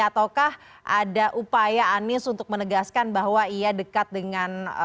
ataukah ada upaya anies untuk menegaskan bahwa ia dekat dengan